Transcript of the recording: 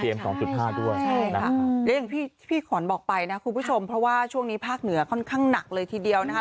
แล้วอย่างที่พี่ขวัญบอกไปนะคุณผู้ชมเพราะว่าช่วงนี้ภาคเหนือค่อนข้างหนักเลยทีเดียวนะคะ